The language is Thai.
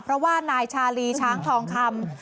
เพราะว่านายชาลีช้างทองคำ